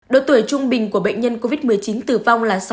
độ tuổi trung bình của bệnh nhân covid một mươi chín tử vong là sáu mươi